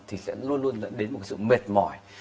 thì sẽ luôn luôn đến một sự mệt mỏi